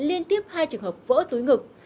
liên tiếp hai trường hợp vỡ túi ngực